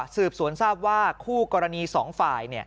สืบสวนทราบว่าคู่กรณีสองฝ่าย